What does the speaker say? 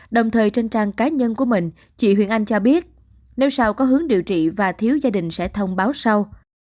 đồng thời trên trang cá nhân của mình chị huyền anh cho biết nếu sao có hướng điều trị và thiếu gia đình sẽ thông báo sau